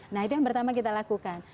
nah itu yang pertama kita lakukan